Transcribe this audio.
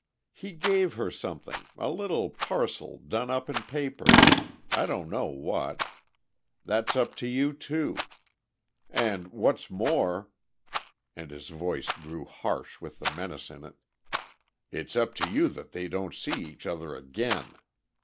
He gave her something, a little parcel done up in paper. I don't know what. That's up to you, too. And, what's more," and his voice grew harsh with the menace in it, "it's up to you that they don't see each other again!